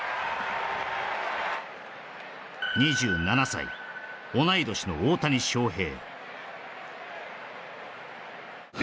２７歳同い年の大谷翔平